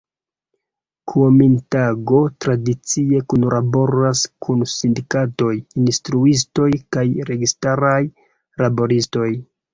Kuomintango tradicie kunlaboras kun sindikatoj, instruistoj kaj registaraj laboristoj.